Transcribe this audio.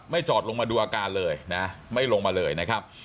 จอดลงมาดูอาการเลยนะไม่ลงมาเลยนะครับ